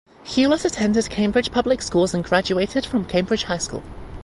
Hewlett attended Cambridge public schools and graduated from Cambridge High School.